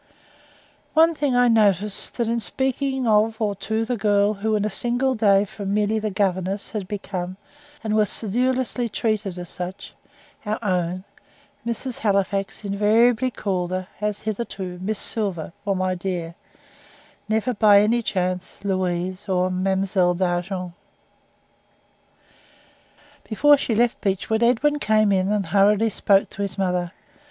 One thing I noticed, that in speaking of or to the girl who in a single day from merely the governess had become, and was sedulously treated as, our own, Mrs. Halifax invariably called her, as heretofore, "Miss Silver," or "my dear;" never by any chance "Louise," or "Mademoiselle D'Argent." Before she left Beechwood, Edwin came in and hurriedly spoke to his mother.